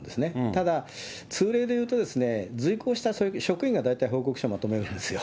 ただ、通例でいうと、随行した職員が大体報告書まとめるんですよ。